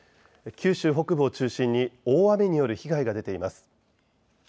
九州北部を中心に大雨による被害が出ています。